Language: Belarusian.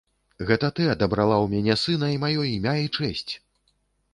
Гэта ты адабрала ў мяне сына і маё імя і чэсць!